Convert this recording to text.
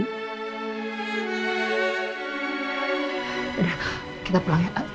udah kita pulang ya